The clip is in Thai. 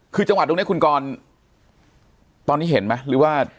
คือจังหวัดตรงนี้คุณกรตอนนี้เห็นไหมหรือว่า